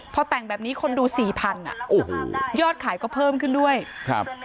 พอแต่งแบบนี้คนดูสี่พันอ่ะโอ้โหยอดขายก็เพิ่มขึ้นด้วยครับ